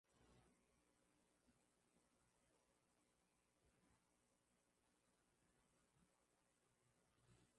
Dayosisi ya Konde kwa eneo lake katika mkoa wa Mbeya